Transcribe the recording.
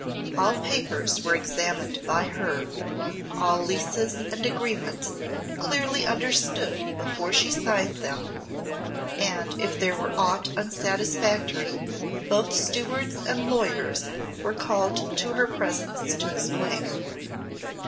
All papers were examined by her, all leases and agreements clearly understood before she signed them, and if there were aught unsatisfactory, both stewards and lawyers were called to her presence to explain.